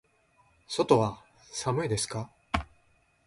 外は寒いですか。